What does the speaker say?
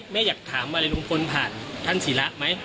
แม่อยากถามวัลีนุงพลผ่านท่านศิระไหม